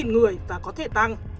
ba mươi sáu người và có thể tăng